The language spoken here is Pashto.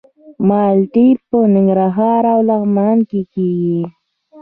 مالټې په ننګرهار او لغمان کې کیږي.